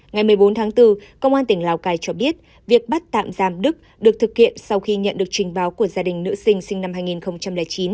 ngày một mươi bốn tháng bốn công an tỉnh lào cai cho biết việc bắt tạm giam đức được thực hiện sau khi nhận được trình báo của gia đình nữ sinh năm hai nghìn chín